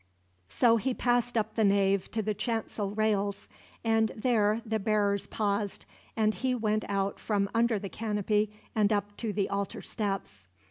So he passed up the nave to the chancel rails; and there the bearers paused, and he went out from under the canopy and up to the altar steps.